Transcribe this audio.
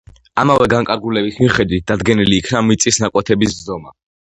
ამავე განკარგულების მიხედვით დადგენილი იქნა მიწის ნაკვეთების ზომა.